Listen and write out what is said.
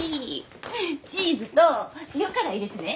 チーズと塩辛入れてね。